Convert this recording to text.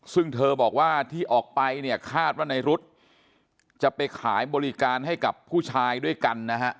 ซึ่งเธอบอกว่าที่ออกไปเนี่ยคาดว่าในรุ๊ดจะไปขายบริการให้กับผู้ชายด้วยกันนะฮะ